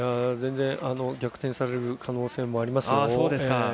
全然、逆転される可能性もありますよ。